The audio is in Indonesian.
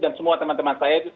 dan semua teman teman saya